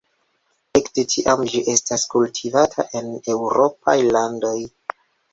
Ekde tiam ĝi estas kultivata en eŭropaj landoj.